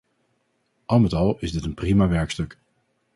Al met al is dit een prima werkstuk!